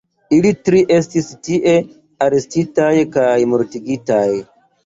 Ili tri estis tie arestitaj kaj mortigitaj.